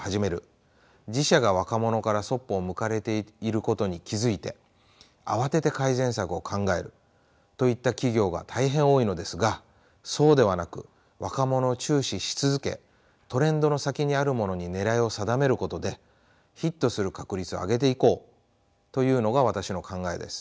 自社が若者からそっぽを向かれていることに気付いて慌てて改善策を考えるといった企業が大変多いのですがそうではなく若者を注視し続けトレンドの先にあるものにねらいを定めることでヒットする確率を上げていこうというのが私の考えです。